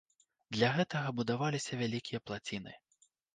Для гэтага будаваліся вялікія плаціны.